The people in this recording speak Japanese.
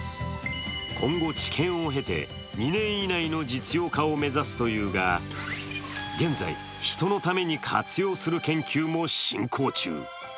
今後、治験を経て、２年以内の実用化を目指すというが現在、ヒトのために活用する研究も進行中。